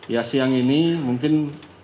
ya siang ini mungkin